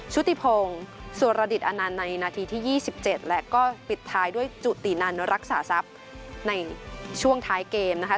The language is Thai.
ชุติพงศ์สุรดิตอนันต์ในนาทีที่๒๗และก็ปิดท้ายด้วยจุตินันรักษาทรัพย์ในช่วงท้ายเกมนะคะ